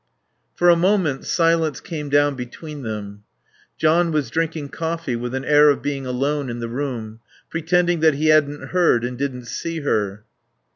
For a moment silence came down between them. John was drinking coffee with an air of being alone in the room, pretending that he hadn't heard and didn't see her.